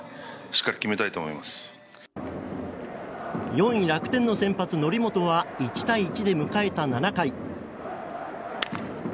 ４位、楽天の先発、則本は１対１で迎えた７回。